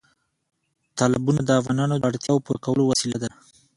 تالابونه د افغانانو د اړتیاوو پوره کولو وسیله ده.